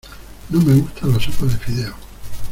No me gusta la sopa de fideos.